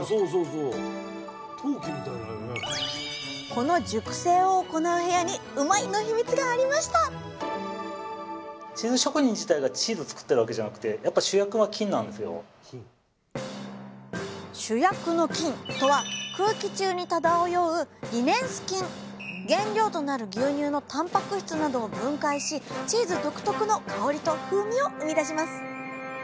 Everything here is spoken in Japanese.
この熟成を行う部屋にうまいッ！のヒミツがありました主役の菌とは空気中に漂う原料となる牛乳のたんぱく質などを分解しチーズ独特の香りと風味を生み出します。